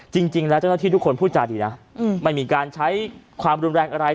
จริงแล้วที่ทุกคนพูดจาดีนะมันมีการใช้ความรุนแรงอะไร